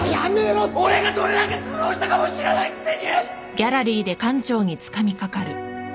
俺がどれだけ苦労したかも知らないくせに！